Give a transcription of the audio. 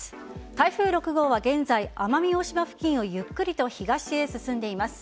台風６号は現在奄美大島付近をゆっくりと東へ進んでいます。